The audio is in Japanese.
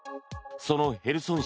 そのヘルソン